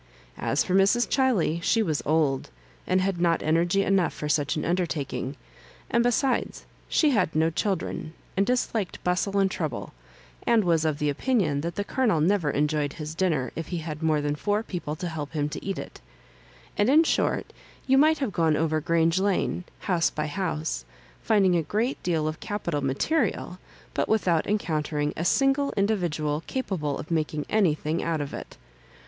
As for Mrs. Ghiley, she was old, and had not energy enough for such an undertaking; and, besides, she had no children, and disliked bustle and trouble, and was of opinion that the Colonel never enjoyed his dinner if he had more than four people to help him to eat it ; and, in short, you might have gone over Grange Lane, house by house, finding a great deal of capital material^ but without encountering a single individual ca pable of making anything out of it.